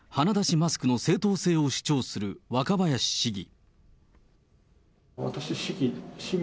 マスクの正当性を主張する若林市議。